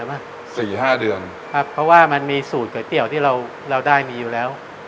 เพราะว่ามันมีสูตรก๋วยเตี๋ยวที่เราได้มีอยู่แล้ว